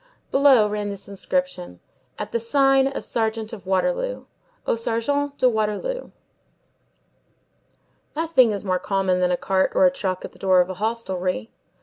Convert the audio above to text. Below ran this inscription: AT THE SIGN OF SERGEANT OF WATERLOO (Au Sargent de Waterloo). Nothing is more common than a cart or a truck at the door of a hostelry.